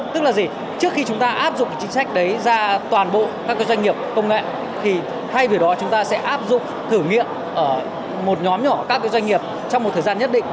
tức là gì trước khi chúng ta áp dụng chính sách đấy ra toàn bộ các doanh nghiệp công nghệ thì thay vì đó chúng ta sẽ áp dụng thử nghiệm ở một nhóm nhỏ các doanh nghiệp trong một thời gian nhất định